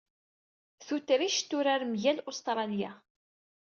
Tutrict turar mgal Ustṛalya.